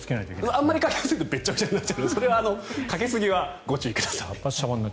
あまりかけすぎるとベチャベチャになっちゃうのでそれはかけすぎはご注意ください。